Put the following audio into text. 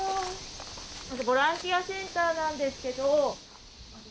ボランティアセンターなんですけど。